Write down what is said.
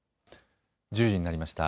１０時になりました。